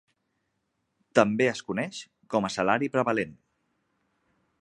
També es coneix com a salari prevalent.